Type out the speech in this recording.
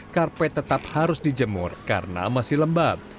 karpet tetap harus dijemur karena masih lembab